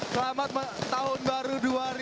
selamat tahun baru dua ribu delapan belas